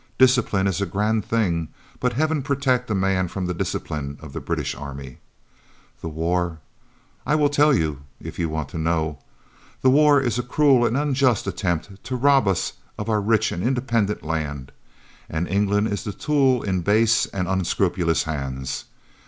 Discipline is a grand thing, but Heaven protect a man from the discipline of the British army. The war? I will tell you if you want to know. The war is a cruel and unjust attempt to rob us of our rich and independent land, and England is the tool in base and unscrupulous hands.